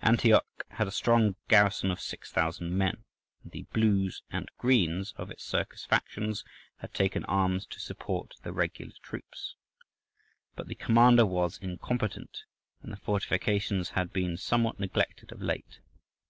Antioch had a strong garrison of 6,000 men and the "Blues" and "Greens" of its circus factions had taken arms to support the regular troops. But the commander was incompetent, and the fortifications had been somewhat neglected of late.